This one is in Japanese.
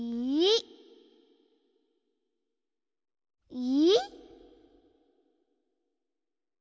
い。